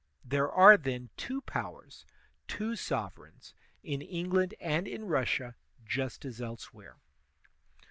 There are, then, two powers, two sovereigns, in England and in Russia, just as elsewhere.